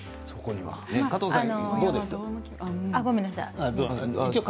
加藤さんはどうですか？